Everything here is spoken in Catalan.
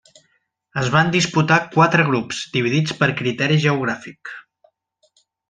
Es van disputar quatre grups, dividits per criteri geogràfic.